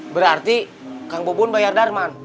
berarti kang bobun bayar darman